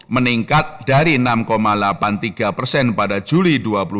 meningkat dari enam delapan puluh tiga persen pada juli dua ribu dua puluh